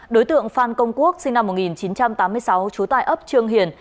đối tượng phan công quốc sinh năm một nghìn chín trăm tám mươi sáu chú tài ấp trương hiền